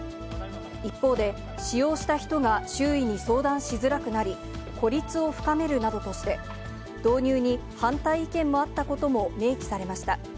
一方で、使用した人が周囲に相談しづらくなり、孤立を深めるなどとして、導入に反対意見もあったことも明記されました。